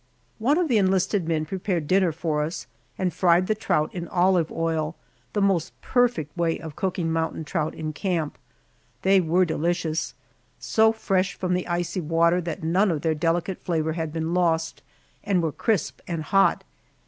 One of the enlisted men prepared dinner for us, and fried the trout in olive oil, the most perfect way of cooking mountain trout in camp. They were delicious so fresh from the icy water that none of their delicate flavor had been lost, and were crisp and hot.